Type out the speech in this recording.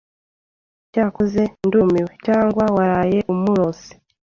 Cyakoze ndumiwe. Cyangwa waraye umurose